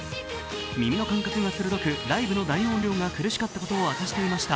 耳の感覚が鋭く、ライブの大音量が苦しかったと明かしていました。